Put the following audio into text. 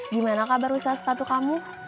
gimana kabar usaha sepatu kamu